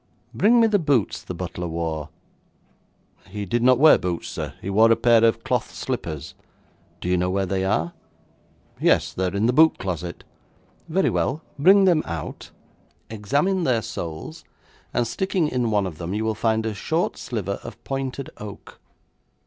Bring me the boots the butler wore.' 'He did not wear boots, sir. He wore a pair of cloth slippers.' 'Do you know where they are?' 'Yes; they are in the boot closet.' 'Very well, bring them out, examine their soles, and sticking in one of them you will find a short sliver of pointed oak.'